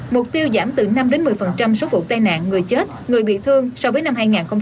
mục tiêu giảm từ năm một mươi số vụ tai nạn người chết người bị thương so với năm hai nghìn một mươi tám